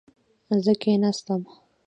زه کښېناستم